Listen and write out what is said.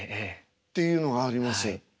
っていうのがあります。